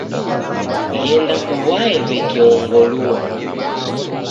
Ghenda kuw'aye w'eke ongolua.